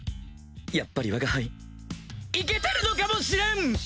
やっぱりわが輩イケてるのかもしれん！